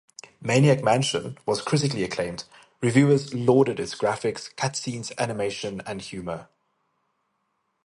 "Maniac Mansion" was critically acclaimed: reviewers lauded its graphics, cutscenes, animation and humor.